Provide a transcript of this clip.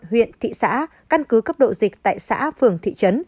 huyện thị xã căn cứ cấp độ dịch tại xã phường thị trấn